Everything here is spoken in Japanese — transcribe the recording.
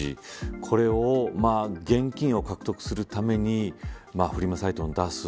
これを現金を獲得するためにフリマサイトに出す。